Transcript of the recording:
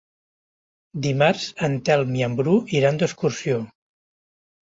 Dimarts en Telm i en Bru iran d'excursió.